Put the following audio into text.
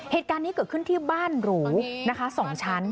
เหตุการณ์นี้เกิดขึ้นที่บ้านหรูนะคะ๒ชั้น